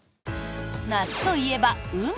夏といえば海。